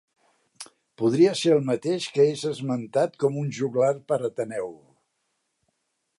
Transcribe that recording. Podria ser el mateix que és esmentat com un joglar per Ateneu.